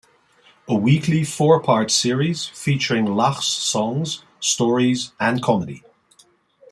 A weekly four-part series featuring Lach's songs, stories and comedy.